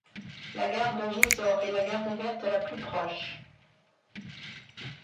La gare de Gisors est la gare ouverte la plus proche.